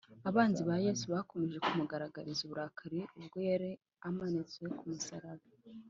abanzi ba yesu bakomeje kumugaragariza uburakari ubwo yari amanitse ku musaraba